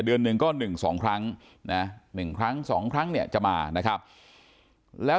เดือนหนึ่งก็หนึ่งสองครั้งหนึ่งครั้งสองครั้งจะมานะครับแล้ว